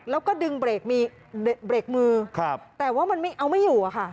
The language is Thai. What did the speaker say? แล้วก็ดึงเบรกมือแต่ว่ามันเอาไม่อยู่ค่ะ